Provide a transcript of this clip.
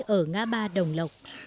ở ngã ba đồng lộc